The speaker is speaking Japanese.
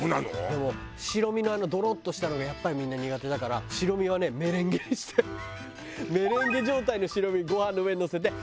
でも白身のドロッとしたのがやっぱりみんな苦手だからメレンゲ状態の白身ご飯の上にのせて。